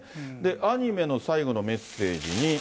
アニメの最後のメッセージに。